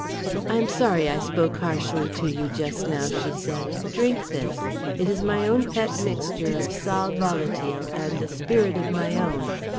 "I am sorry I spoke harshly to you just now," she said. "Drink this. It is my own pet mixture of sal volatile and a spirit of my own.